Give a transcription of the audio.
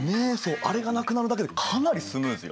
あれがなくなるだけでかなりスムーズよ。